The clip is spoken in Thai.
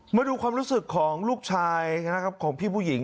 มาดูความรู้สึกของลูกชายนะครับของพี่ผู้หญิง